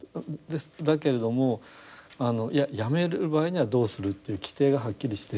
だけれどもやめる場合にはどうするという規定がはっきりしていると。